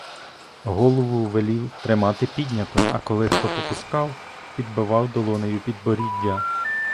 Голову велів тримати піднято, а коли хто попускав — підбивав долонею підборіддя.